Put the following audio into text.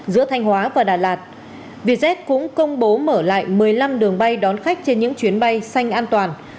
giữa thanh hóa và đà lạt vietjet cũng công bố mở lại một mươi năm đường bay đón khách trên những chuyến bay xanh an toàn